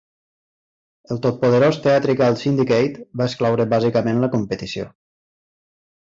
El totpoderós Theatrical Syndicate va excloure bàsicament la competició.